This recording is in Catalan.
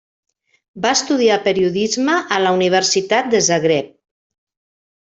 Va estudiar periodisme a la Universitat de Zagreb.